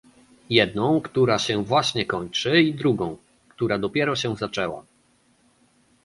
jedną, która się właśnie kończy i drugą, która dopiero się zaczęła